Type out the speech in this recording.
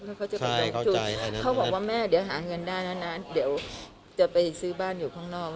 เขาบอกว่าแม่เดี๋ยวหาเงินได้นะนะเดี๋ยวจะไปซื้อบ้านอยู่ข้างนอก